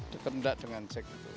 deket enggak dengan jack gitu